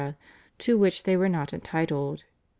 to which they were not entitled.